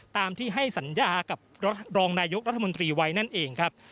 ตามที่ให้สัญญากับรองนายกรัฐมนตรีไว้นั่นเองครับ